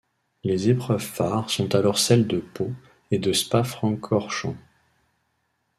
Les épreuves phares sont alors celles de Pau et de Spa-Francorchamps.